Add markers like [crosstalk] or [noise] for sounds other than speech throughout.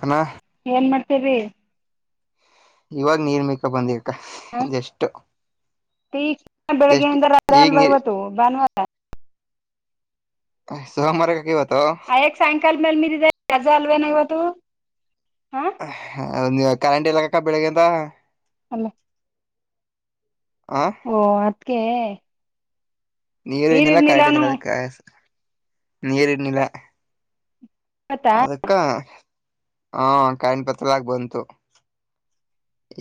Hello ತರಿ ಇವಾಗ ನೀರ್ ಮೇಕ ಬಂದಕ್ಕ ಜಷ್ಟು ಈ ಬೆಳಿಗ್ಗೆಯಿಂದ ರಜೆ ಈಗ ಅಲ್ವಾ ನೀರ್ ಇವತ್ತು ಭಾನುವಾರ ಆ ಸೋಮವಾರ ಕಿವತ್ತು ಸಾಯಂಕಾಲ ಮೇಲೆ ಮಿದಿದೆ ರಜಾ ಅಲ್ವೆನೋ ಇವತ್ತು ಹಾ ಆ ಕರೆಂಟ್ ಇಲ್ಲಕ್ಕ ಬೆಳಿಗ್ಗೆ ಇಂದ ಅಲ್ಲ ಹ ಓ ಅದಕೆ ನೀರು ಇನ್ನಿಲ್ಲ ಕರೆಕ್ಟ್ ಇಲ್ಲ ಅದಕ ನೀರು ಇನ್ನಿಲ್ಲ ಗೊತ್ತಾ ಅದಕ್ಕ ಹಾ ಕಾಯಿನ್ ಪತದಗ್ ಬಂತು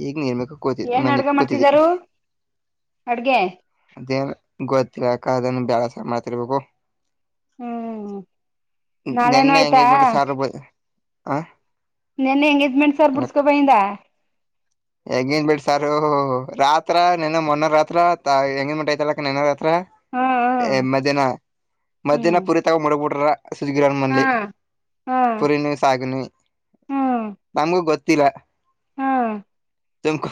ಈಗ ನೀ ಕೂತಿದ್ ಏನ್ ಮನೆಗ್ ಅಡ್ಗೆ ಕೂತಿದಿ ಮಾಡ್ತಿದಾರು ಅಡ್ಗೆ ಅದೇನ ಗೊತ್ತ್ ಯಾಕ ಅದನ್ನು ಬ್ಯಾಳಸ ಮಾಡ್ತಿರ್ಬೇಕು ಹ್ಮ್ ನಾಳೆನು ನೆನ್ನೆ ಆಯ್ತಾ ಎಂಗೇಜ್ಮೆಂಟ್ ಗೆ ಸಾರುಪಯಿ ಹ ನೆನ್ನೆ ಎಂಗೇಜ್ಮೆಂಟ್ ಸರ್ ಬಿಡ್ಸ್ಕೊಬಂದಿದ [unintelligible] ಎಂಗೇಜ್ಮೆಂಟ್ ಸಾರು ರಾತ್ರ ನೆನ್ನೆ ಮೊನ್ನೆ ರಾತ್ರ ಎಂಗೇಜ್ಮೆಂಟ್ ಹತೈಲಕ್ಕ ನೆನ್ನೆ ರಾತ್ರ ಹಾ ಮಧ್ಯಾಹ್ನ ಮಧ್ಯಾಹ್ನ ಹ್ಮ್ ಪೂರಿ ತಗೊಂಡ್ ಮಾಡಗ್ಬೀಟ್ಟರು ಸುಜ್ಗಿರ್ ಹಾ ಮನ್ಲಿ ಹಾ ಪುರಿನಿ ಸಾಗುನಿ ಹ್ಮ್ ನಮಗೂ ಗೊತ್ತ್ ಲ ಹಾ ತುಮಕೊ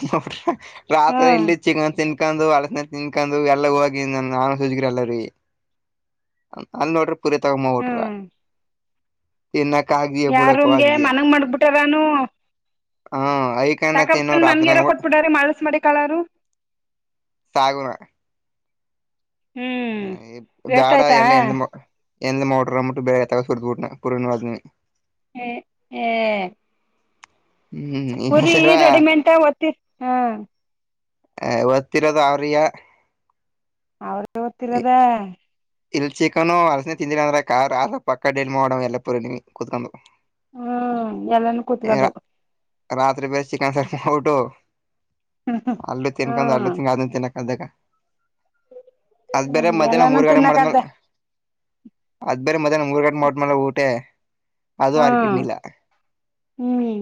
ರಾತ್ರಿ ಇಲ್ಲಿ ಚಿಕನ್ ತಿನ್ಕ ತಿಕು ಅಲಸಿನ ತಿನ್ಕೊಂಡು ಎಲ್ಲ ಹೋಗಿ ನನ್ನ ನಾನ ಸೂಜಕ್ರ ಎಲ್ಲರೀ ನಲ್ ನೋಡ್ರಿ ಪುರಿ ತಗಟ್ರ ಹ್ಮ್ ಇನ್ನ ಯಾರ ರೂಮ್ಗೆ ಮನಂಗ ಮಡಬಿಟ್ಟಾರಾನು ಹಾ ತಿನು ರಾತ್ ನಂಗಟ್ಟ ಕೊಟ್ಬಿಟಾರ ಮಳಸ್ ಮಾಡಿ ಕಳಾರು ಸಾಗು ಹ್ಮ್ ಹ್ಮ ವೇಸ್ಟ್ ಬ್ಯಾಡ ಆಯ್ತಾ ಎಲ್ಲಾ ಎ ಎಂದ ಮೋಟ್ರರ ಅ್ಿಟ್ಟ ಬಳ ಎ ತಗೋ್ಬಡ್ಬ ಬಿು ಪೂರ್ಣವ್ನಿ ಹ್ಮ ಹ್ಮ ಹ್ಮ್ ಈ ಪುರಿ ಸರ ರೆಡಿಮೆಂಟ ತ್ತೀರ್ ಹಾ ಹ ಒತ್ತರದ ಅವರಿಯ ಅವ್ರಗ ಗೊತ್ತಿಲ್ಲದ ಇಲ್ಲಿ ಚಿಕಕ್ಕನು ಅಲಸನೆ ತಿಿಂದಿರ ಅಂದ್ರ ಕಾರ್ ಅ ಪಕ್ಕ ಡೈಲ್ ಮಾಡ ಎಲ್ಲಪೂರಿ ಕುತ್ಕೊಂಡು ಹ್ಮ್ ಎಲ್ಲಾನೂ ಕೂತ್ಕದು ರಾತ್ರಿ ಬೇರೆ ಚಿಕನ್ ಸರ್ಕ ಟು ಹಳ್ಳು ತಿನ್ಕೊಂಡ ಹಲ್ಲು ಹ್ಮ್ ತಿನ್ ಅದನ್ ತಿನ್ಕ ಅದಕ್ಕ ಅದ್ ಬೇರೆ ಮಧ್ಯಾಹ್ನ ಎಲ್ಲಾನು ಮೂರ್ಗಡೆ ಮಾಡ್ಮ ತಿನ್ನಕದ್ದ ಅದ್ ಬೇ ಮದನ ಮು ಮೂರುಗಟ್ಟ ಮ ಮಾಡ ಮೇಲೆ ಊಟೆ ಅದು ಹ್ಮ್ ಆಕನಿಲ್ಲ ಹ್ಮ್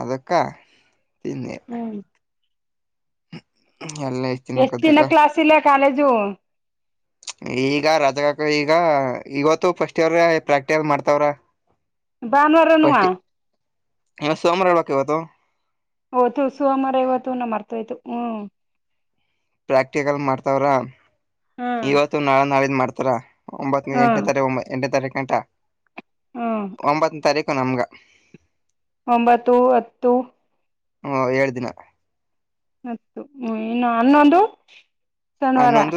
ಅದೊಕ್ಕಾ ಹ್ಮ್ ಎಲ್ಲ ಇಷ್ಟ ಎಷ್ಟ ತಿನ್ನಕದಕ್ಕ ದಿನ ಕ್ಲಾಸ್ ಇಲ್ಲ ಕಾಲೇಜು ಅ ಈಗ ರಾಕಕ ಈಗ ಇವತ್ತು ಫಸ್ಟ್ ಇಯರ್ ಪ್ರಾಕ್ಟಿಕಲ್ ಮಾಡ್ತಾವ್ರ ಬಾನುವರನ್ನು ಹ ಸಮಾಮರಳೋ ಕವತ ಓ ತು ಸು ಅಮರ ಇವತ್ತು ನ ಮರ್ತಯ್ತು ಹ್ಮ್ ಪ್ರಾಕ್ಟಿಕಲ್ ಮಾಡ್ತವ್ರ ಹ್ಮ್ ಇವತ್ತು ನಾಳ ನಾಳಿದ್ ಮಾಡ್ತಾರ ಒಂಬತ್ತ ಎಂಟನೇ ಹ್ಮ್ ತಾರೀಕು ಒ ಎಂಟನೇ ತಾರೀಕುಂಟ ಹ್ಮ್ ಒಂಬತ್ತನೇ ತಾರೀಕು ಇ ನಮ್ಗ ಒಂಬತ್ತು ಹತ್ತು ಹ ಏಳ್ ದಿನ ಮತ್ತ ಇಏನು ಅನ್ನೊದು ಅನ್ನೊಂದ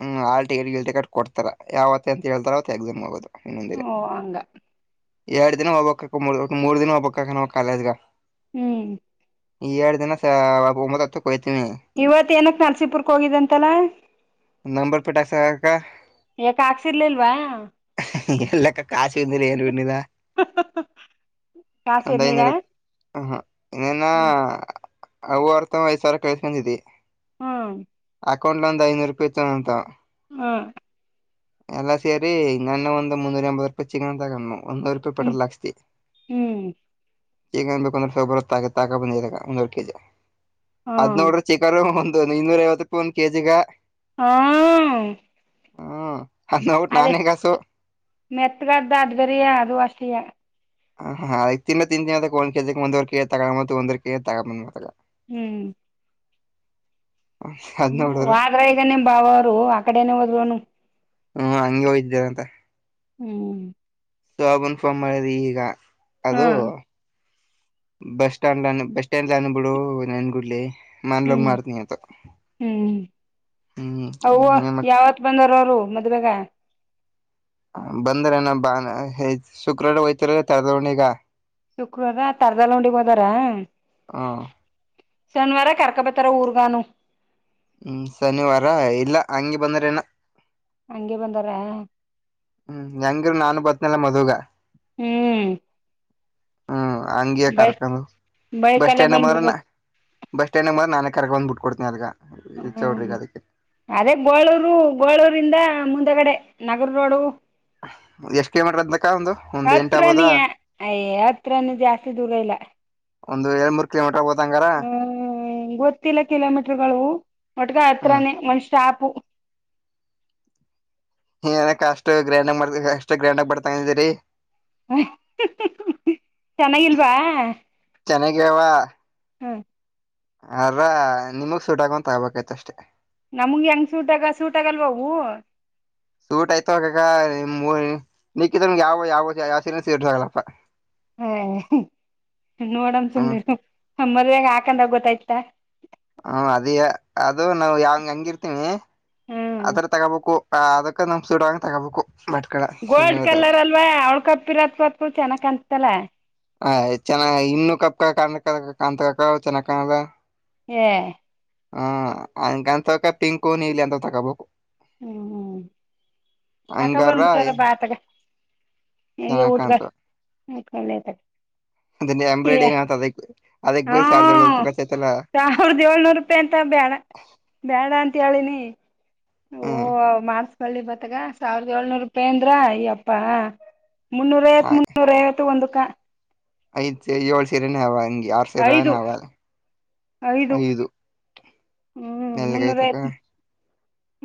ಹ್ಮ್ ಆಾ ಟಿಕೆಟ್ ಗಿಲ್ ಟಿಕೆಟ್ ಕೊಡ್ತಾರ ಯಾವತ್ತ ಅಂತ ಹೇಳ್ತಾರ ಅವ ಎಕ್ಸಮ್ ಹೋಗೋದು ಇನ್ನೊಂದಿನ ಓ ಹಂಗ ಎರಡ್ ದಿನ ಹೋಗಬಬೇಕ ಮೂ ಮೂರ್ ದಿನ ಒೋಗಬಬೇಕಕ ನಾವು ಕಾಲಜ್ಗ ಹ್ಮ್ ಈ ಎರಡ್ ದಿನಸ ಒಂಬತ್ತ್ತು ಇವತ್ ಏನಕ್ ನಲ್ಸಿಪುರ್ಕ ಹೋಗಿದಂತಲ್ಲ ನಂಂಬರ್ ಪೇಟ್ ಅ ಕ ಯಾಕ ಹಾಕ್ಸಿರ್ಲಿಲ್ವಾ ಎಲ್ಲಕ್ಕ ಕಸು ಬಂದಿಲ್ಲ ಏನು ಬ್ಣದಾ ಕಾಸಿರ್ ನೀರ ಅರ ಹಾ ನ್ನ ಹ್ಮ್ ಅವು ಅರ್ಥೈಸಾರ ಕಳ್ಸ್ಕೊಂಡಿದಿ ಹ್ಮ ಅಕೌಂಟ್ ಒಂದು ಐನೂರು ರೂಪಿಯತದ ಅಂತ ಹಾ ಎಲ್ಲ ಸೇರಿ ನನ್ನೆ ಒಂದು ಮುನ್ನೂರ ಎಂಬತ್ತು ರೂಪಾಯಿ ಚಿಕನ್ ತಗೊಂಡವು ಒಂದವ ರೂಪಾಯಿ ಹ್ಮ್ ಪೆಟ್ರಲ್ ಹಾಕ್ಸ್ತಿ ಹ್ಮ್ ಚಿಕನ್ ಬೇಕು ಅಂದ್ರೆ [unintelligible] ತಾಕ ಬಂದಿದ್ದೆ ಆಗ ಒಂದುವರ್ ಕೆಜಿ ಅದ್ ಹ್ಮ್ ನೋಡುದ್ರೆ ಚಿಕನ್ನು ಅದು ಇನ್ನೂರೈವತ್ ರೂಪಾಯ್ ಒಂದ್ ಕೆಜಿಗ. ಹಾಂ ಹ್ಮ್ ಅದ್ ನೋಡ್ಬಿಟ್ಟು ಅದೇ ನಾನೇ ಕಾಸು ಮೆತ್ಗಾದ್ದ ಅದ್ ಬೇರೆಯಾ ಅದು ಅಷ್ಟೆಯಾ. ಹಾಂ ಹಾಂ ಆಯ್ ತಿನ್ನು ತಿಂತೀನ್ ಅಂದುಕ್ ಒಂದ್ ಕೆಜಿಗ್ ಒಂದುವರ್ ಕೆಜಿ ತಗೊಂಬರಣ್ ಅಂತ ಒಂದುವರ್ ಕೆಜಿ ತಗೊಂ ಬಂದೆ ಅತ್ತಾಗ. ಹ್ಮ್ ಅದ್ ಹ್ಮ್ ನೋಡಿದ್ರ ವಾದ್ರ ಈಗ ನಿಮ್ ಭಾವೌರು ಆಕಡೆನೆ ಹೋದ್ರು ಅನ್ನು. ಹ್ಮ್ ಹಂಗೆ ಹೋಗಿದ್ದೇರಂತ. ಹ್ಮ್ ಸೋಬುಂಗ್ ಫೋನ್ ಮಾಡಿದ್ದೆ ಈಗ. ಹಾ ಅದು ಬಸ್ ಸ್ಟ್ಯಾಂಡನ ಬಸ್ ಸ್ಟ್ಯಾಂಡ್ ಅನ ಬಿಡು ನನ್ಗುಡ್ಲಿ ಮನ್ಲೋಗ್ ಹ್ಮ್ ಮಾಡ್ತೀನಿ ಅಂತು. ಹ್ಮ್ ಅವ್ವ ಯಾವತ್ ಬಂದೋರ್ ಅವ್ರು ಮದ್ವೆೇಗ? ಆ ಬಂದ್ರೇನೆ ಬ್ಯಾನೆ ಏ ಶುಕ್ರವಾರ ಹೋಯ್ತೀರ ತರದಲ್ ಹುಂಡಿಗ? ಶುಕ್ರವಾರ ತರದಲ್ ಉಂಡಿಗ್ ಹೋದಾರ? ಹಾಂ ಶನ್ವಾರ ಕರ್ಕ ಬತ್ತಾರಾ ಊರ್ಗ ಅನ್ನು. ಹ್ಮ್ ಶನಿವಾರ ಇಲ್ಲ ಹಂಗೆ ಬಂದ್ರೆ ಏನು ಹಂಗೆ ಬಂದಾರ? ಹ್ಮ್ ಹೆಂಗಿರು ನಾನು ಬತ್ನಲ್ಲ ಮದ್ವುಗ. ಹ್ಮ್ ಹಂಗಿಯ ಬೈ ಕರ್ಕಂಡು ಬಸ್ ಬೈಕಲ್ಲೇ ಸ್ಟ್ಯಾಂಡುಗ್ ಬರುಣ. ಬಂದ್ಬಿಡ್ಬೇಕು ಬಸ್ ಸ್ಟ್ಯಾಂಡುಗ್ ಬಾ ನಾನೆ ಕರ್ಕೊ ಬಂದ್ ಬಿಟ್ಕೊಡ್ತೀನ್ ಅಲ್ಲಿಗ. ಹ್ಮ ಅದೇ ಗೋಳೂರು ಗೋಳೂರಿಂದ ಮುಂದೆಗಡೆ. ನಗರ್ ರೋಡು ಎಷ್ಟ್ ಕಿಲೋಮೀಟರ್ ಅದ್ನಕ ಒಂದು ಒಂದ್ ಎಂಟ ಹತ್ರ ಆಗ್ಬೋದ ನೀ ಯಾ ಐ ಹತ್ರ ನೀ ಜಾಸ್ತಿ ದೂರ ಇಲ್. ಲ್ಲಾ. ಒಂದು ಎರ ಮೂರು ಕಿಲೋಮೀಟರ್ ಆಗಬೋದ್. ಹ್ಮ್ ಗೊತ್ತಿಲ್ಲ ಕಿಲೋಮೀಟರ್ಗಳು ಒಟ್ಗ ಹ್ಮ ಹತ್ರಾನೇ ಒಂದ್ ಸ್ಟಾಪು. ನೀನಕ್ ಅಷ್ಟು ಗ್ರ್ಯಾಂಡ್ ಆ ಮಾಡ ಅಷ್ಟು ಗ್ರ್ಯಾಂಡ್ಗಿ ಬರ್ತಾಂದಿರಿ. ಹ್ಮ್ ಚೆನ್ನಾಗಿಲ್ವಾ. ಚೆನ್ನಾಗಿವೆವಾ. ಹ್ಮ್. ಆರ ನಿಮಗ್ ಸೂಟ ಆಗುವಂತ ಆಗ್ಬೇಕಿತ್ ಅಷ್ಟೇ. ನಮಗ ಹೆಂಗ್ ಸೂಟಗ ಸೂಟ್ ಆಗಲ್ವ ಅವು. ಸೂಟ್ ಆಯ್ತ ಹೋಗಾಗ ಮಿಕ್ಕಿದವ ಯಾವ ಯಾವ ಸೀರೇನು ಸೂಟ್ ಆಗಲ್ಲಾ ಪಾ. ಹ ನೋಡಣ ಹ್ಮ್ ಸುಮ್ನ ಇರ್ ಮದವೇಗ ಹಾಕೊಂಡಾಗ್ ಗೊತ್ತಾಯ್ತಾ. ಹ್ಮ ಅದಯಾ ಅದು ನಾವ ಯಾವ ಹೆಂಗ್ ಇರ್ತೀನಿ. ಹ್ಮ್ ಆತರ ತಗೋಬೇಕು ಅದಕ್ಕ ನಮಗ್ ಸೂಟ್ ಆಗುವಂಗ್ ತಗೋಬೇಕು. ಬಟ್ಕಳ ಗೋಲ್ಡ್ ಸೀರೆಗಳ ಕಲರ್ ಅಲ್ವಾ ಅವಳ್ ಕಪ್ಪಿರತ್ವತ್ಕ ಚೆನ್ನಗ ಕಾಣಸ್ತಾಳೆ. [unintelligible] ಹ ಚೆನ್ನ ಇನ್ನು ಕಪ್ ಕಾಣ ಕಾಣತ್ಕ ಚೆನ್ನ ಕಾಣದ ಎ ಹಾ ಅಂಗನತಕ ಪಿಂಕು ನೀಲಿ ಅಂತ ತಗೋಬೇಕು. [unintelligible] ಹ್ಮ ಹ್ಮ ತಕ ಹಂಗಾರ ಬಂದಬಿಟ್ಟಾರ ಬಾ ಅತಾಗೆ ಅಯ್ಯ ಚೆನ್ನಾಗ್ ಊಟಗ. ಕಾಣ್ತ [unintelligible] ಆಯ್ತ ಒಳ್ಳೆದೇ. [unintelligible] ಅದ ಈಗ ಎಂಬ್ರಾಯ್ಡಿಂಗ್ ಅಂತ ಅದಕ್ ಅದಕ್ ಹಾ ಬ ಸಾವಿರದ ಏಳ್ನೂರು ರೂಪಾಯಿ ಖರ್ಚಯ್ತಲ್ಲ ಸಾವಿರದ ಏಳ್ನೂರು ರೂಪಾಯಿ ಅಂತ [unintelligible] ಬ್ಯಾಡ್ ಬ್ಯಾಡ್ ಅಂತ ಹೇಳಿನಿ ಓ ಹ್ಮ್ ಮಾಡಸ್ಕೊಳ್ಳಿ ಗೊತ್ತಗ. [unintelligible] ಸಾವಿರದ ಏಳ್ನೂರು ರೂಪಾಯಿ ಅಂದ್ರ ಅಯ್ಯಪ್ಪಾ ಮುನ್ನೂರ ಐವತ್ತು ಮುನ್ನೂರ ಐವತ್ತು ಒಂದು ಕಾ [unintelligible] ಐದ್ ಸರಿ ಏಳ್ ಸೀರೆನೆ ಅವ ಹಂಗೆ ಆರು ಸೀರ ಐದು ಅವ ಐದು ಹ್ಮ್ ಮುನ್ನೂರ ಮೆಲ್ಗೈತಕ ಆತ್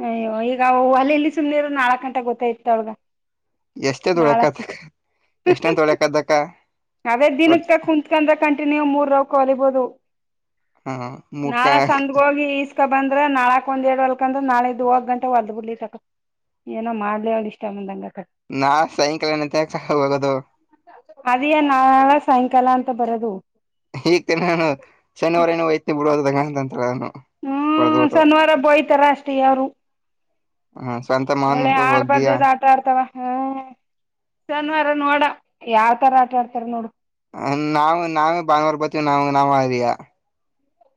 ಅಯ್ಯೋ ಈಗ ಅಲ್ಲಿ ಇಲ್ಲಿ ಸುಮ್ನೆರು ನಾಲ್ಕಕ್ ಗಂಟೆ ಗೊತ್ತಾಯತ ಅವಳಗ. ಎಷ್ಟೇ ತೊಳಕತಕ್ಕ ಎಷ್ಟನ್ ತೊಳಕದಕ್ಕ. ಅವೇ ದಿನಕ್ ಹ ತ ಕುಂತ್ಕಂದ್ರ ಕಂಟಿನ್ಯೂ ಮೂರ ರಾವ್ ಕಲಿಬೋದು. ಮುಖ ನಾಳೆ ಸಂದ್ಗ ಹೋಗಿ. ಬಂದ್ರೆ ನಾಳಕಕ್ ಒಂದ ಎರಡ್ ವಲ್ಕಂದ್ರ ನಾಳೆ ದದುುವಾಗ ಗಟೆ ಹೊದ್ ಬಿಡ್ಲಿ ತಕ. ಏನೋ ಮಾಡ್ಲಿ ಅವಳ ಇಷ್ಟ ಅಂದಂಗ. ನಾ ಸಾಯಂಕಾಲನತ್ಯಕ ಹೋಗದು. ಅದೇ ಸಾಯಂಕಾಲ ಅಂತ ಬರೋದು. ಈಗ ನಾನು ಶನಿವಾರ ಏನೋ ಹೋಯ್ತನಿ [unintelligible] ಹ್ಮ್ ಹೊಡೆದ್ಬಿಟ್ಟು ಶನಿವಾರ ಬೋಯ್ತಾರ ಅಷ್ಟೇ ಯಾರು. ಹ ಸ್ವಂತ ಮಾವನ್ ಒಳ್ಳೆ ಮಗ ಹೋಗ್ದಯಾ ಆಡ್ಬಾರ್ದೇದ ಆಟ ಆಡ್ತಾವ. ಹ್ಮ ಶನ್ವಾರ ನೋಡ ಯಾವ ತರ ಆಟ ಆಡ್ತಾರ ನೋಡು. ನಾವು ನಾವೇ ಭಾನುವಾರ ಬತೀವಿ ನಾವ್ ನಾಮ ಅಯಾ.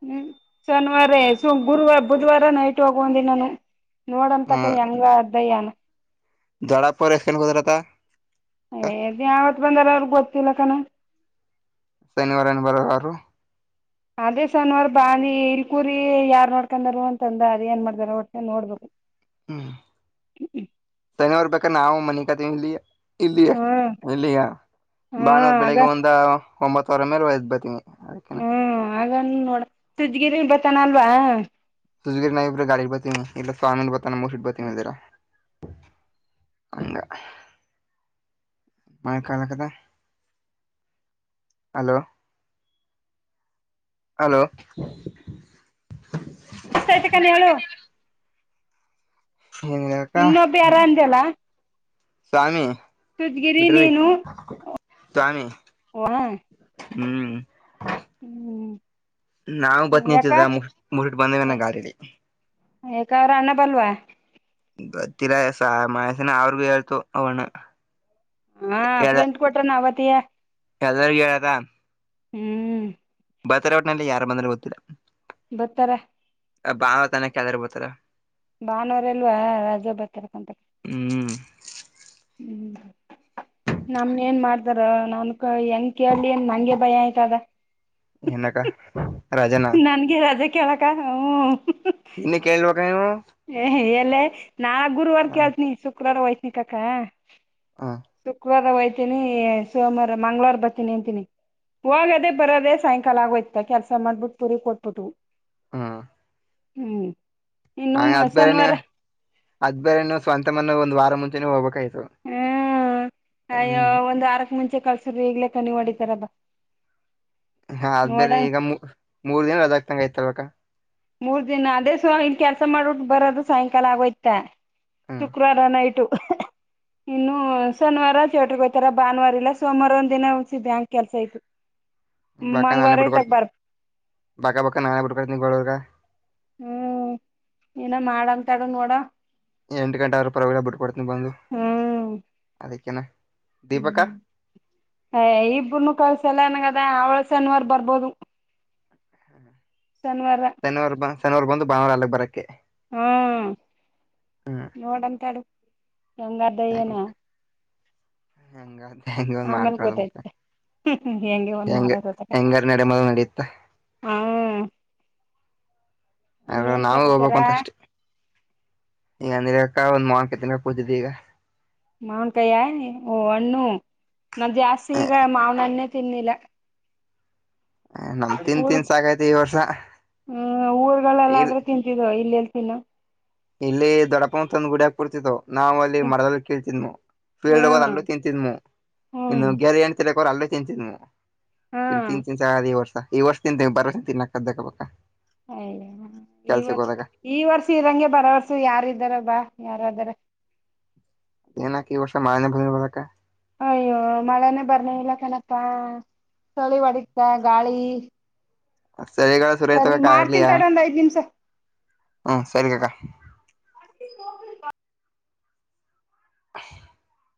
ಹ್ಮ್ ಶನಿವಾರ ಸ ಗುರುವಾರ ಬುಧವಾರ ನೈಟ್ ಹೋಗು ಅಂತ ನಾನು. ನೋಡ ಹ್ಮ ತಕ ಹೆಂಗ ಅ್ದಯ್ಯನ. [unintelligible] ದ್ ಯಾವತ್ ಬಂದಾರ ಅವ್ರಗ್ ಗೊತ್ತಿಲ್ಲ ಕಣ. ಶನಿವಾರನ ಬರೋರು. ಅದೇ ಸನ್ವಾರ ಬಾನಿ ಇಲ್ಕೂರಿ ಯಾರ್ ನೋಡ್ಕೊಂಡಾರ ಅಂತಂದ ಅದ ಏನ್ ಮಾಡ್ದಾ ರು ಹೊಟ್ಟತ ನೋಡ್ಬೇಕು. ಹ್ಮ್ ಸನಿವರ್ ಬ ನಾವು ಮನಿಕಾ ತಿಲ್ಲಿ. ಇಲ್ಲಿಯೇ ಹ್ಮ್ ಇಲ್ಲಿಯ ಹ್ಮ್ ಭಾನುವಾರ ಆಗ ಬೆಳಿಗ್ಗೆ ಒಂದ ಒಂಬತ್ತವರ ಮೇಲೆ ಒಯ್ದ್ ಬತೀನಿ. ಅದಕ್ಕೇನ ಹ್ಮ್ ಹಾಗನ್ ನೋಡ ಸಜ್ಗಿರಿ ಬತಾನ ಅಲ್ವಾ. ಸುಜಗಿರರ ಗಾಡಿ ಬತೀ ಇಲ್ಲ ಸ್ವಾಮಿ ಬತಾನ ಮುಟ್ ಬತೀವಿ ತಾ. ಹಂಗ. ಮ ಕಾಲಾಕದ ಹಲೋ. ಹಲೋ. ಸಿತ ಕನ್ಯಳೋ. ಏನಕ್ಕ ಇನ್ನೊಬ್ಬ ಯಾರ ಅಂದ್ಯಲ್ಲ ಸ್ವಾಮಿ. ತುಜ್ಗಿರಿ ಬಿಟ್ರ ನೀನು ಸ್ವಾಮಿ ವಾ ಹ್ಮ್. ಹ್ಮ್. ನಾವು ಯಾಕ ಬತ್ನಿತಿದ್ದ ಮುರ್ಟ್ಟ ಬಂದೇವ ನ ಗಾಡಿಲಿ. ಏಕಾದ್ರ ಅಣನ್ನ ಬಲ್ವಾ. ಗೊತ್ತಿಲ್ಲಸ ಮಹಸನ ಅವ್ರಗೂ ಹೇಳ್ತು ಅವಣ್ಣ. ಹಾ ಅಪ್ರಂತ್ ಕೊಟ್ರ ನ ಅವತಿಯ. ಎಲ್ಲಾರಗ ಹೇಳದಾ. ಹ್ಮ್. ಬರ್ತಾರ ಒಟ್ಟಟ್ನಲ್ಲಿ ಯಾರ ಬಂದಲ್ಲಿ ಗೊತ್ತಿಲ್ಲ. ಬತ್ತರ. ಅ ಬಾ ತಾನ ಕೆಳಗಡೆ ಬರ್ತೀರಾ. ಭಾನುವರೆಲ್ವಾ ರಾಜ್ ಬರ್ತಾರ ಕಂತ. ಹ್ಮ್ [inaudible] ನಮ್ನ್ ಏನ್ ಮಾಡತಾರ ನಾ ಕ ಏನ್ ಕೇಳಲಿ ನ್ ನಂಗೆ ಭಯ ಆಯ್ತ ಅದ. ಎನಕ್ಕಾ. ನನ್ಗೆ ಅದೇ ಕೇಳಕ್ಕ ಹ್ಮ. ಇನ್ನು ಕೇಳ್ಬೇಕ ನೀವು ಏ ಎಲ್ಲ ನಾ ಗುರುವಾರ ಹ ಕೇಳ್ತನಿ ಶುಕ್ರವಾರ ಒಯ್ತನಕ್ಕಕ್ಕ. ಹ. ಶವರ ಹಯ್ತೀನಿ ಸೋಮವಾರ ಮಂಗಳವಾರ ಬರ್ತೀನಿ ಅಂತೀನಿ. ಹೋಗಾಗದೇ ಬರೋದೆೇ ಸಾಯಂಕಾಲ ಆಗೋಯ್ತಾ ಕೆಲ್ಸ ಮಾಡ್ಬಿಟ್ಟು ಪೂರಿ ಕೊಟ್ಬಿಟ್ಟವು. ಹ್ಮ್. ಇನ್ನು ಹ ಅದ್ ಬೇರನೆ ಶನಿವಾರ ಅದ್ ಬೇರ ಸ್ವಂತ ಮನೆ ಒಂದ ವಾರ ಮುಂಚೆನ ಹೋಗ್ಬೇಕು. ಹ್ಮ್ ಅಯ್ಯೋ ಒಂದ್ ವಾರಕ್ ಮುಂಚೆ. ೆ ಕಳ್ಸ್ರ [unintelligible] ಈಗ್ಲೇ ಕನಿ ಮಾಡಡಿತಾರಬ. ಹಾ ಅದ ಬೇರೆ ಈಗ ಮೂರ್ ದಿನ ಅದಾಗ ತಂಗ ಆಯ್ತಲ್ವಕ್ಕ [unintelligible] ಮೂರ್ ದಿನ ಅದೇ ಸೊ ಇನ್ ಕೆಲ್ಸ ಮಾಡಬಿಟ್ಟು ಬರೋದು ಸಾಯಂಕಾಲ ಆಗೋಯ್ತಾ ಹ್ಮ್ ಶುಕ್ರವಾರ ನೈಟು [unintelligible] ಇನ್ನು ಶನೀವಾರ ಥಿಯೇಟರ್ಗೆ ಹೋತಾರ ಭಾನುವಾರ ಇಲ್ಲಾ ಸೋಮವಾರ ಒಂದ್ ದಿನ ವಸಿ ಬ್ಯಾಂಕ್ ಕೆಲ್ಸ ಆಯ್ತು ಬಕ ನಾನ ಬುಟಕ ಬಕ ಬಕ ನನ ಬುಡಕಡೆ ನಿಬ [unintelligible] ಹೂಂ ಏನ ಮಾಡ ಅಂತಡ ನೋಡ ಎಂಟು ಗಂಟೆ ಆದ್ರೂ ಪರವಾಗಿಗಳ ಬಿಟ್ ಕೊಡ್ತನಿ ಬಂದು ಅದಕ್ಕೇನಾ ಹೂಂ ಇಬ್ರನು ಕಳ್ಸಲ್ಲ ನನಂಗ ಅವಳ ಶನೀವಾರ ಬರ್ಬೋದು ಹೂಂ ಶನಿವಾರ ಶನಿವಾರ ಬಂದು ಭಾನುವಾರ ಅಗ್ ಅಲ್ಲಿಗ್ ಬರಕ್ಕ ಹೂಂ ನೋಡಂತಳು ಹ್ಯಾಂಗದ ಏನು [unintelligible] ಹೆಂಗ ಹೆಂಗ ಆಮೇಲ್ ಮಾಡಾರ್ಕದ ಬಕ [unintelligible] ಗೊತ್ತೈತೆ ಹೆಂಗೆ ಒಂದ್ ಹೆಂಗ ಮಾಡೋದತಕ ಹೆಂಗಾರ ನಡೆಮದ ನಡೆಯುತ್ತ ಹ್ಮ್ ಅ್ರ ಇನ್ನೇನ್ ನಾವೇ ಸಮಾಚಾರ ಹೋಗ್ಬೇಕಕ್ ಅಂತ ಅಷ್ಟೇ ಈಗ ಅಂದ್ರ ಒಂದು ಮಾವಿನಕಾಯಿ ತಿನ್ನಕ್ ಕುಂತಿದ್ದೆ ಈಗ [unintelligible] ಮಾವನ್ ಕಯ ಓ ಅಣ್ಣ ನಾ ಜಾಸ್ತಿ ಈಗ ಮಾವನ ಅಣ್ಣೆ ತಿಂದಿಲ್ಲ ನಮ್ ತಿನ್ ಊರ್ ತಿನ್ ಸಾಕೈತಿ ಈ ವರ್ಷ ಇಲ್ ಹೂಂಊರ್ಗಳೆಲ್ಲಾದ್ರೂ ತಿಂತಿದ ಇಲ್ಲಿ ನಾ ಇಲ್ಲಿ ದೊಡ್ಡಪ್ಪ ಅಂತಂದ ಗುಡಿ ಹಾಕ್ಬಿಡ್ತಿತ್ತುವು ನಾವವು ಅಲ್ಲಿ ಹ್ಮ್ ಮರದಲ್ಲಿ ಕೇಳ್ತಿದ್ವು ಫೀಲ್ಡ್ ಹದ್ ಹ್ಮ್ ಅಲ್ಲೂ ತಿಂತಿದ್ವು ಇನ್ನು ಹ್ಮ್ ಗೆರೆ ಏನ್ ತಿ [unintelligible] ಅಲ್ಲೇ ತಿಂತಿದ್ದೆ ಯೇನ್ ಹ್ಮ್ ತಿಂತಿನ್ ಆಗದು ಈ ವರ್ಷ ಈ ವರ್ಷ ತಿದಂತ ಬರ್ ತಿನ್ನ ಕದ್ದ ಬಾ [unintelligible] ಅಯ ಈರ್ ಈ ವರ್ಷ ಇರಂಗೆ ಬರವರ್ಸ [unintelligible] ಯಾರ್ದಾರ ಬಾ ಯಾರಾದಾರ [unintelligible] ನಕ ವರ್ಷೆ ಮಾನ ಬಲೆ [unintelligible] ಅಯ್ಯೋ ಮಳೆನೇ ಬರ್ಲಿಲ್ಲ ಕನಪ್ಪಾ ಚಳಿವಡತ ಗಾಳಿ ಚಳಿಗಳ ಸರಿ ಸುರತಕ್ಕ ಮಾಡ್ತೀನ್ ಆಗ್ಲಿಯಾ ತಡಿ ಒಂದ್ ಐದ್ ನಿಮಿಷ. ಹ್ಮ ಸರಿ ಕಕಾ [unintelligible]